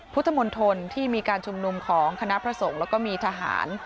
พุทธมนตรที่มีการชุมนุมของคณะพระสงฆ์แล้วก็มีทหาร